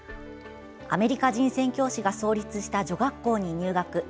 アメリカ人宣教師が創立した女学校に入学。